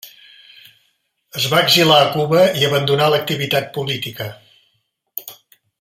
Es va exiliar a Cuba i abandonà l'activitat política.